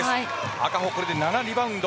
赤穂はこれで７リバウンド。